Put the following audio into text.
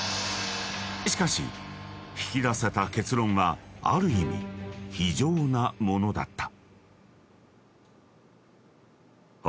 ［しかし引き出せた結論はある意味非情なものだった］